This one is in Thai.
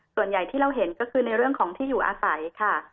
ส่วนใหญ่ที่เราเห็นก็คือในเรื่องของที่อยู่อาศัยค่ะ